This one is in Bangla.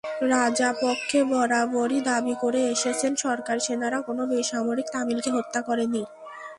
রাজাপক্ষে বরাবরই দাবি করে এসেছেন, সরকারি সেনারা কোনো বেসামরিক তামিলকে হত্যা করেনি।